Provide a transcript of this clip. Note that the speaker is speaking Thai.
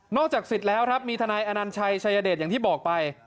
จากสิทธิ์แล้วครับมีทนายอนัญชัยชายเดชอย่างที่บอกไป